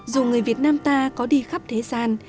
dù người việt nam ta có đi khắp thế gian